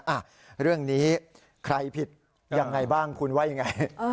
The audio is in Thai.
อ่ะเรื่องนี้ใครผิดยังไงบ้างคุณว่ายังไง